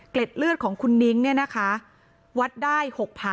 เกล็ดเลือดของคุณนิ้งเนี่ยนะคะวัดได้๖๐๐๐